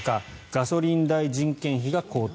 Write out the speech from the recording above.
ガソリン代、人件費が高騰。